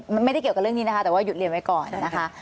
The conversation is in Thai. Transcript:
มันไม่ได้เกี่ยวกับเรื่องนี้นะคะแต่ว่าหยุดเรียนไว้ก่อนนะคะ